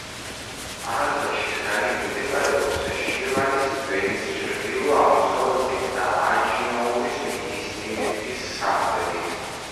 აღდაშის რაიონი მდებარეობს შირვანის ველის ჩრდილო-აღმოსავლეთით და აჯინოურის მთისწინეთის სამხრეთით.